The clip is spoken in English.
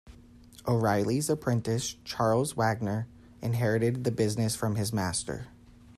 O'Reilly's apprentice Charles Wagner inherited the business from his master.